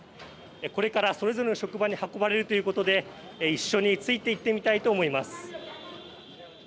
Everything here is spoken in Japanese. これから、それぞれの職場に運ばれるということで一緒について行ってみたいと思います。